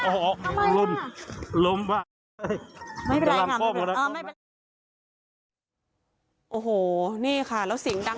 โอ้โหลมลมไม่เป็นไรอ๋อไม่เป็นไรโอ้โหนี่ค่ะแล้วเสียงดัง